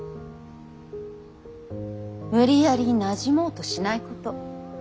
無理やりなじもうとしないこと。